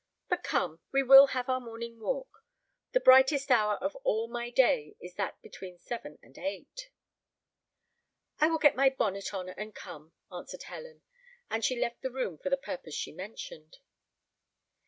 But come, we will have our morning walk; the brightest hour of all my day is that between seven and eight." "I will get my bonnet on and come," answered Helen; and she left the room for the purpose she mentioned.